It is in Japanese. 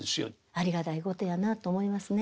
ありがたいことやなと思いますね。